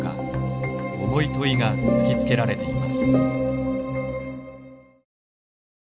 重い問いが突きつけられています。